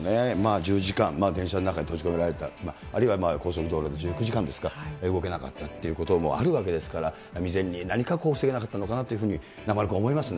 １０時間、電車の中に閉じ込められた、あるいは高速道路で１９時間ですか、動けなかったということもあるわけですから、未然になにかこう、防げなかったのかなというふうに中丸君、思いますね。